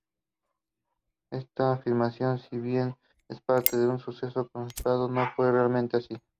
Esta afirmación si bien es parte de un suceso constatado, no fue realmente así.